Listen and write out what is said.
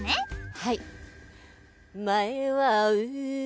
はい。